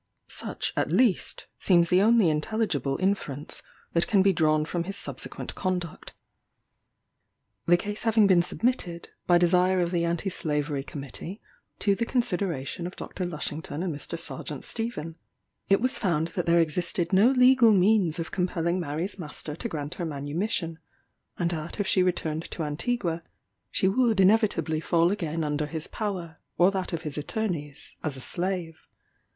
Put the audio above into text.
Such, at least, seems the only intelligible inference that can be drawn from his subsequent conduct. The case having been submitted, by desire of the Anti Slavery Committee, to the consideration of Dr. Lushington and Mr. Sergeant Stephen, it was found that there existed no legal means of compelling Mary's master to grant her manumission; and that if she returned to Antigua, she would inevitably fall again under his power, or that of his attorneys, as a slave.